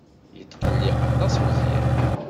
Yetqelliq aṭas Meẓyan.